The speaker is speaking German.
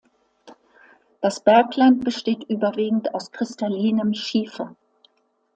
Das Bergland besteht überwiegend aus kristallinem Schiefer.